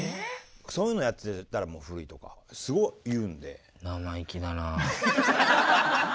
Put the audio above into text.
そういうのやってたらもう古いとかすごい言うんで。